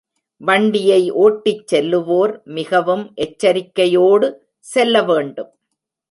வண்டியை ஓட்டிச் செல்லுவோர் மிகவும் எச்சரிக்கையோடு செல்ல வேண்டும்.